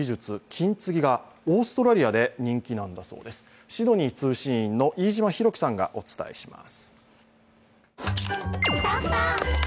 金継ぎがオーストラリアで人気なんだそうですシドニー通信員の飯島浩樹さんがお伝えします。